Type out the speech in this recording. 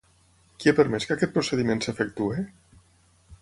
Qui ha permès que aquest procediment s'efectuï?